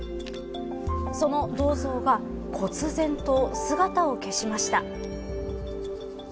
その銅像が忽然と姿を消しました。